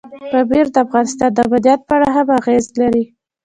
پامیر د افغانستان د امنیت په اړه هم اغېز لري.